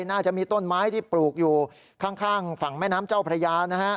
น่าจะมีต้นไม้ที่ปลูกอยู่ข้างฝั่งแม่น้ำเจ้าพระยานะฮะ